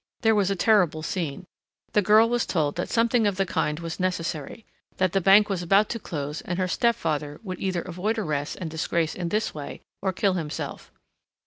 There was a terrible scene. The girl was told that something of the kind was necessary, that the bank was about to close and her stepfather would either avoid arrest and disgrace in this way, or kill himself.